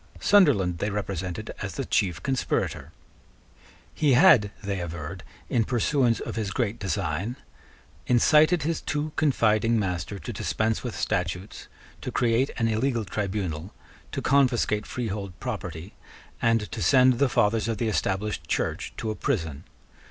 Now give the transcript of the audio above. Sunderland they represented as the chief conspirator. He had, they averred, in pursuance of his great design, incited his too confiding master to dispense with statutes, to create an illegal tribunal, to confiscate freehold property, and to send the fathers of the Established Church to a prison.